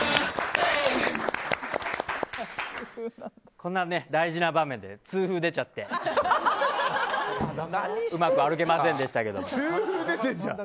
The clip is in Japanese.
こんな大事な場面で痛風が出ちゃってうまく歩けませんでしたけど。